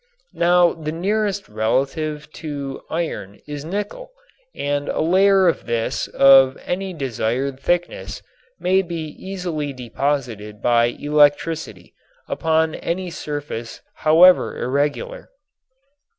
Now the nearest relative to iron is nickel, and a layer of this of any desired thickness may be easily deposited by electricity upon any surface however irregular.